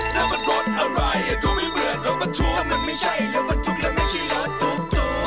นั่นมันรถอะไรดูไม่เหมือนรถบันทุกแต่มันไม่ใช่รถบันทุกและไม่ใช่รถตุ๊กตุ๊ก